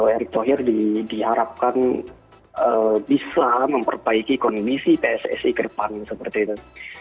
erick thohir diharapkan bisa memperbaiki kondisi pssi ke depan seperti itu